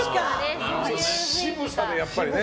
渋さで、やっぱりね。